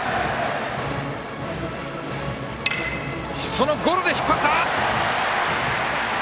そのゴロで引っ張った！